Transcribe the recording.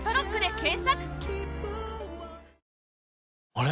あれ？